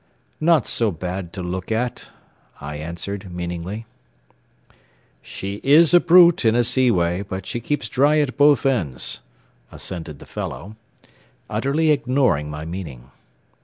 "Not so bad to look at," I answered, meaningly. "She is a brute in a seaway, but she keeps dry at both ends," assented the fellow, utterly ignoring my meaning.